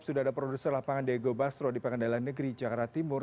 sudah ada produser lapangan diego basro di pengadilan negeri jakarta timur